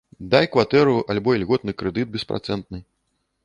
Дай кватэру альбо ільготны крэдыт беспрацэнтны.